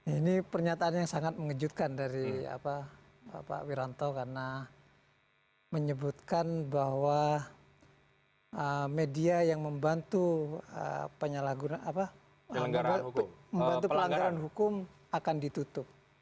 ini pernyataan yang sangat mengejutkan dari pak wiranto karena menyebutkan bahwa media yang membantu penyalahgunaan membantu pelanggaran hukum akan ditutup